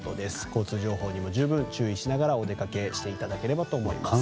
交通情報にも十分注意しながらお出かけしていただければと思います。